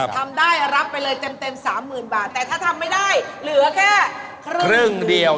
ทำได้รับไปเลยเต็มสามหมื่นบาทแต่ถ้าทำไม่ได้เหลือแค่ครึ่งเดียว